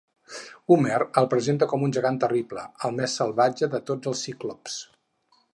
Homer el presenta com un gegant terrible, el més salvatge de tots els ciclops.